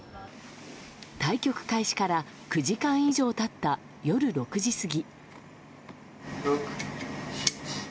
対局開始から９時間以上経った夜６時過ぎ。